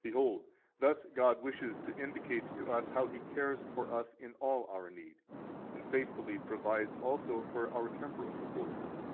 82 Behold, thus God wishes to indicate to us how He cares for us in all our need, and faithfully provides also for our temporal support.